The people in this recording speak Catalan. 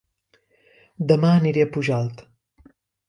Dema aniré a Pujalt